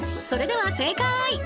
それでは正解！